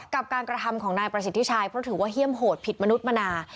กับการกระทำของนายประสิทธิชัยเพราะถือว่าเฮี่ยมโหดผิดมนุษย์มานา